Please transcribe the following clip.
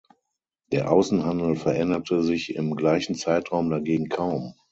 Der Außenhandel veränderte sich im gleichen Zeitraum dagegen kaum.